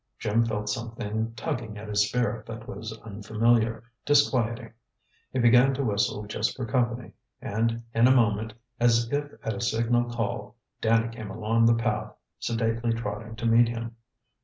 Jim felt something tugging at his spirit that was unfamiliar, disquieting. He began to whistle just for company, and in a moment, as if at a signal call, Danny came along the path, sedately trotting to meet him.